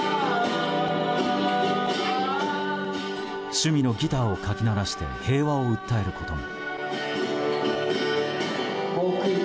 趣味のギターをかき鳴らして平和を訴えることも。